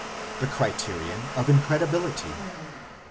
THE CRITERION OF INCREDIBILITY.